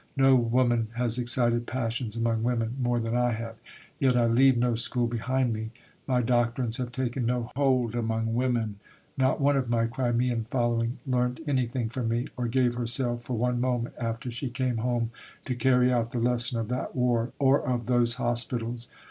No woman has excited "passions" among women more than I have. Yet I leave no school behind me. My doctrines have taken no hold among women. Not one of my Crimean following learnt anything from me, or gave herself for one moment after she came home to carry out the lesson of that war or of those hospitals....